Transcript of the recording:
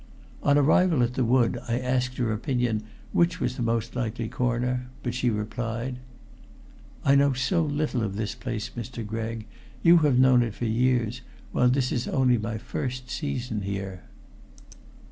On arrival at the wood I asked her opinion which was the most likely corner, but she replied: "I know so little of this place, Mr. Gregg. You have known it for years, while this is only my first season here."